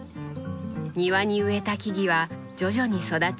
庭に植えた木々は徐々に育ち